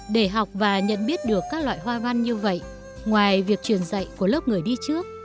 để học và nhận biết được các loại hoa văn như vậy ngoài việc truyền dạy của lớp người đi trước